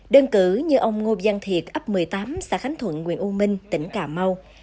đơn cử như ông ngô văn thiệt ấp một mươi tám xã khánh thuận nguyễn u minh tỉnh cà mau